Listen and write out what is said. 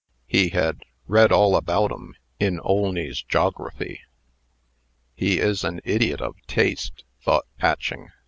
He had "read all about 'em in Olney's Jogriffy." "He is an idiot of taste," thought Patching.